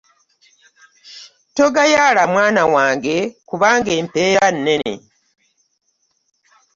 Togayaala mwana wange kubanga empeera nnene.